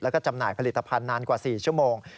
แล้วก็จำหน่ายผลิตภัณฑ์นานกว่า๔ชั่วโมง